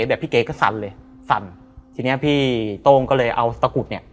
แบบพี่เก๋ก็สั่นเลยสั่นทีเนี้ยพี่โต้งก็เลยเอาตะกรุดเนี่ย